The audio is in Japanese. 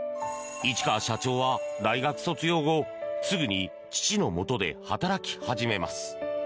市川社長は大学卒業後すぐに父のもとで働き始めます。